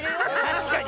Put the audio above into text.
たしかに！